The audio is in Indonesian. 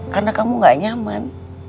karena kamu gak nyaman